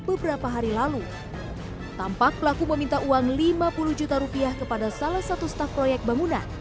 beberapa hari lalu tampak pelaku meminta uang lima puluh juta rupiah kepada salah satu staf proyek bangunan